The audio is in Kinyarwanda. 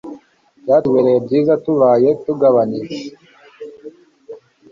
Byatubera byiza tubaye tugabanyije